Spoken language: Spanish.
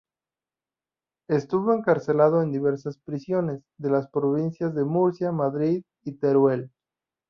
Estuvo encarcelado en diversas prisiones de las provincias de Murcia, Madrid y Teruel.